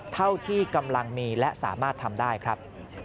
เท่าที่กำลังมีและสามารถทำได้ครับ